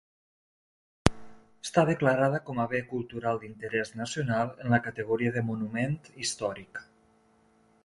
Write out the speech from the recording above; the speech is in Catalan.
Està declarada com a bé cultural d'interès nacional en la categoria de monument històric.